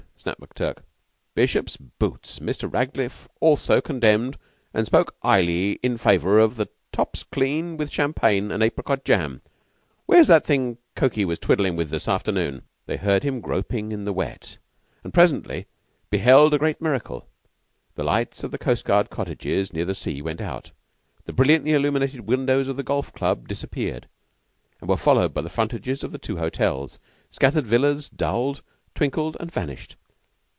snapped McTurk. "'Bishops' boots Mr. Radcliffe also condemned, an' spoke 'ighly in favor of tops cleaned with champagne an' abricot jam.' Where's that thing Cokey was twiddlin' this afternoon?" They heard him groping in the wet, and presently beheld a great miracle. The lights of the Coastguard cottages near the sea went out; the brilliantly illuminated windows of the Golf club disappeared, and were followed by the frontages of the two hotels. Scattered villas dulled, twinkled, and vanished.